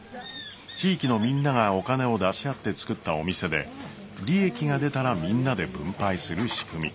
地域のみんながお金を出し合って作ったお店で利益が出たらみんなで分配する仕組み。